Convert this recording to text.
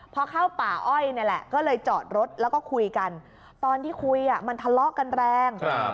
พอเข้าป่าอ้อยนี่แหละก็เลยจอดรถแล้วก็คุยกันตอนที่คุยมันทะเลาะกันแรง